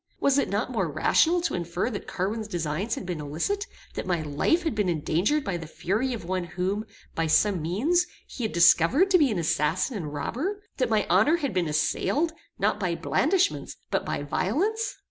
Was it not more rational to infer that Carwin's designs had been illicit; that my life had been endangered by the fury of one whom, by some means, he had discovered to be an assassin and robber; that my honor had been assailed, not by blandishments, but by violence?